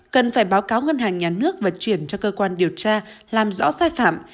cần phải báo cáo ngân hàng nhà nước và chuyển cho cơ quan điều tra làm rõ sai phạm